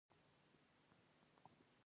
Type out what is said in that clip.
ډېر بوج یې په سر اخیستی